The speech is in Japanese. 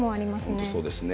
本当そうですね。